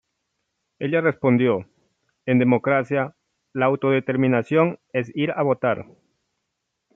Ella respondió "En democracia, la autodeterminación es ir a votar.